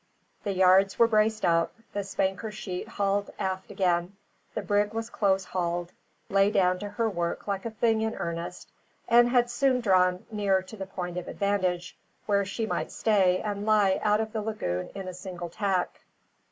The yards were braced up, the spanker sheet hauled aft again; the brig was close hauled, lay down to her work like a thing in earnest, and had soon drawn near to the point of advantage, where she might stay and lie out of the lagoon in a single tack.